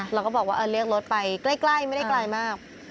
เราก็บอกว่าเรียกรถไปใกล้ไม่ได้ไกลมาก